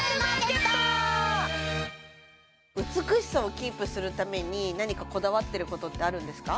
美しさをキープするために何かこだわってることってあるんですか？